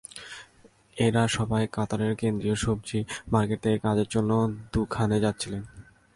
এঁরা সবাই কাতারের কেন্দ্রীয় সবজি মার্কেট থেকে কাজের জন্য দুখানে যাচ্ছিলেন।